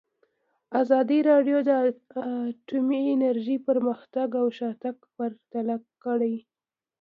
ازادي راډیو د اټومي انرژي پرمختګ او شاتګ پرتله کړی.